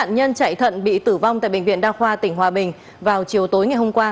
nạn nhân chạy thận bị tử vong tại bệnh viện đa khoa tỉnh hòa bình vào chiều tối ngày hôm qua